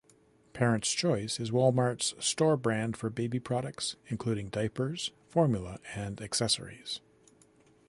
Parent's Choice is Walmart's store brand for baby products, including diapers, formula, and accessories.